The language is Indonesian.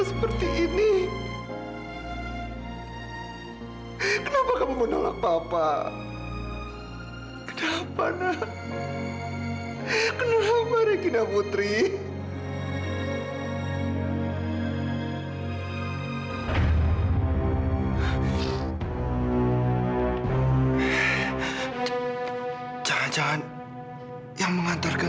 sudah saatnya papa melangkah ke depan